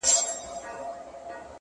د کوترو د چوغکو فریادونه؛